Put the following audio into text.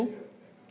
tidak akan secepatnya